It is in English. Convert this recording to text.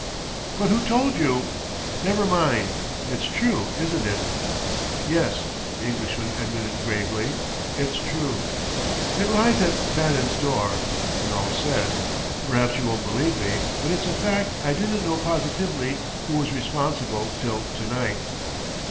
But who told you ?" "Never mind. It's true, isn't it?" "Yes," the Englishman admitted gravely "it's true. It lies at Bannon's door, when all's said.... Perhaps you won't believe me, but it's a fact I didn't know positively who was responsible till to night."